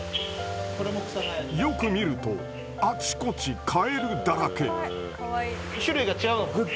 よく見るとあちこちカエルだらけ。